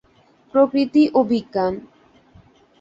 প্রকৃতি ও বিজ্ঞান!